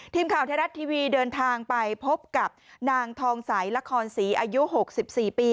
ทีมข่าวไทยรัฐทีวีเดินทางไปพบกับนางทองใสละครศรีอายุ๖๔ปี